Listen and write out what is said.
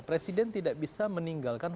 presiden tidak bisa meninggalkan